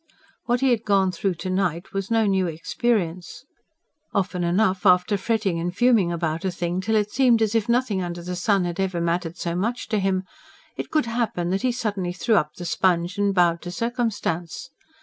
What he had gone through to night was no new experience. Often enough after fretting and fuming about a thing till it seemed as if nothing under the sun had ever mattered so much to him, it could happen that he suddenly threw up the sponge and bowed to circumstance.